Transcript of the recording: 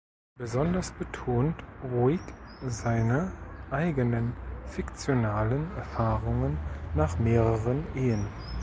Besonders betont Roig seine eigenen (fiktionalen) Erfahrungen nach mehreren Ehen.